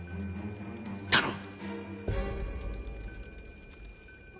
頼む。